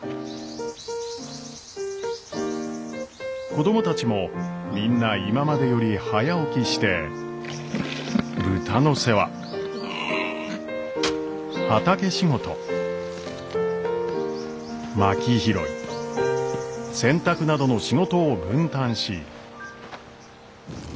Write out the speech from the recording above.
子供たちもみんな今までより早起きして豚の世話畑仕事まき拾い洗濯などの仕事を分担し。